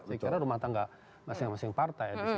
saya kira rumah tangga masing masing partai